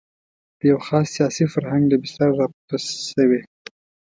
د یوه خاص سیاسي فرهنګ له بستره راپورته شوې.